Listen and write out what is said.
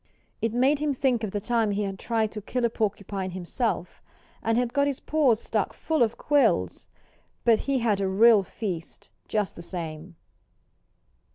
It made him think of the time he had tried to kill a porcupine himself, and had got his paws stuck full of quills. But he had a real feast, just the same.